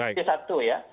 itu satu ya